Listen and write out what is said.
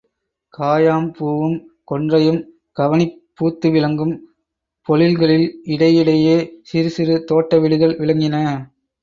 காயாம்பூவும் கொன்றையும் கவினிப் பூத்து விளங்கும் பொழில்களில் இடை இடையே சிறுசிறு தோட்ட வீடுகள் விளங்கின.